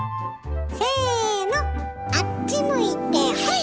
せのあっち向いてホイ！